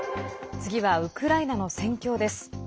次はウクライナの戦況です。